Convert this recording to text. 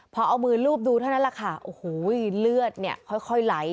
พอเอามือลูบดูเท่านั้นแหละค่ะโอ้โหเลือดเนี่ยค่อยไหล